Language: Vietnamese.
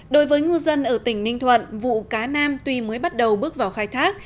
đối với ngư dân ở tỉnh ninh thuận vụ cá nam tuy mới bắt đầu bước vào khai thác